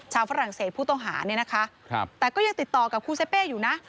ฝรั่งเศสผู้ต้องหาเนี่ยนะคะแต่ก็ยังติดต่อกับครูเซเป้อยู่นะ